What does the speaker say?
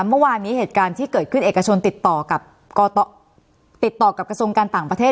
เมื่อวานมีเกิดขึ้นเอกชนติดต่อกับกับกระทรงการต่างประเทศ